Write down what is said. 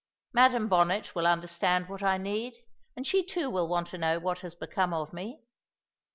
Madam Bonnet will understand what I need; and she too will want to know what has become of me."